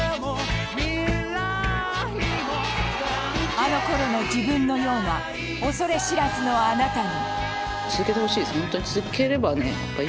あのころの自分のような恐れ知らずのあなたに。